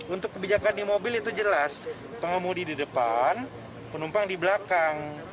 untuk kebijakan di mobil itu jelas pengemudi di depan penumpang di belakang